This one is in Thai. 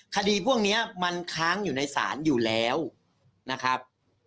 คดีพวกนี้มันค้างอยู่ในศาลอยู่แล้วนะครับ